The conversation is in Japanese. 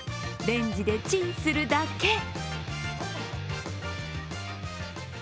レンジでチンするだけ。